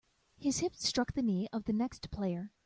His hip struck the knee of the next player.